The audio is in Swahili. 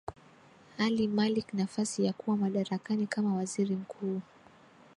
ali malik nafasi ya kuwa madarakani kama waziri mkuu